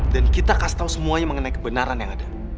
dan kita kasih tau semuanya mengenai kebenaran yang ada